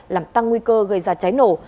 làm tăng nguy cơ gây ra cháy nổ